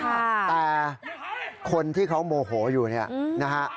แต่คนที่เขาโมโหอยู่เนี่ยนะฮะ